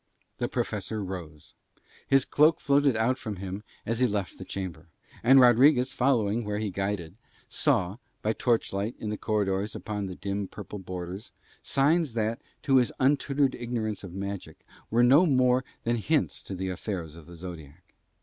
The Professor rose: his cloak floated out from him as he left the chamber, and Rodriguez following where he guided saw, by the torchlight in the corridors, upon the dim purple border signs that, to his untutored ignorance of magic, were no more than hints of the affairs of the Zodiac.